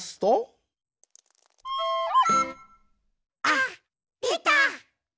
あっでた！